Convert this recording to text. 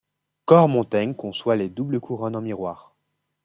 Cormontaigne conçoit les doubles couronnes en miroir.